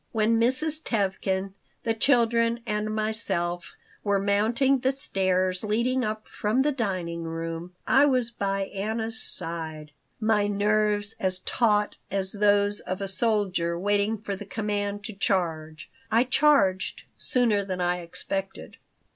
When Mrs. Tevkin, the children, and myself were mounting the stairs leading up from the dining room, I was by Anna's side, my nerves as taut as those of a soldier waiting for the command to charge. I charged sooner than I expected.